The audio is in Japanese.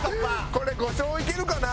これ５勝いけるかな？